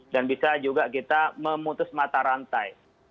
dan bisa juga kita memutus mata rantai